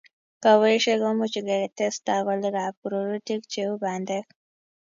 kaboishet komuchi ketesta kolekab rurutik cheu bandek